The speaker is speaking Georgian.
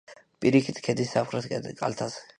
პირიქითი ქედის სამხრეთ კალთაზე.